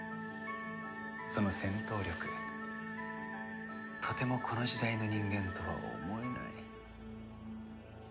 その戦闘力とてもこの時代の人間とは思えない。